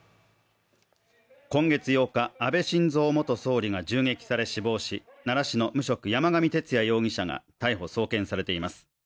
今月８日、安倍晋三元総理が銃撃され死亡し、奈良市の無職、山上徹也容疑者が逮捕・送検されています。